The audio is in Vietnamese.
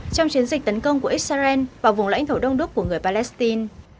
trong chiến dịch tấn công của israel vào vùng lãnh thổ đông đức của người palestine